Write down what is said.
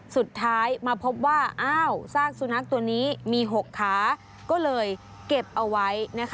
สุดท้ายมาพบว่าอ้าวซากสุนัขตัวนี้มี๖ขาก็เลยเก็บเอาไว้